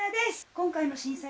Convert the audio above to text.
今回の震災。